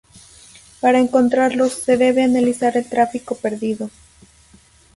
Para encontrarlos, se debe analizar el tráfico perdido.